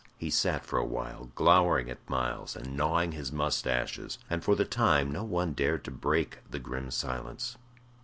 He sat for a while glowering at Myles and gnawing his mustaches, and for the time no one dared to break the grim silence.